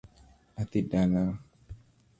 Adhi dalawa